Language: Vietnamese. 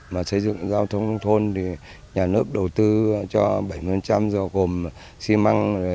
mà xây dựng giao thông nông thôn thì nhà nước đầu tư cho bảy mươi do gồm xi măng